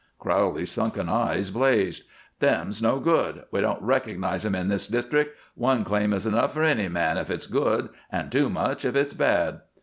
Crowley's sunken eyes blazed. "Them's no good. We don't recko'nize 'em in this district. One claim is enough for any man if it's good, and too much if it's bad."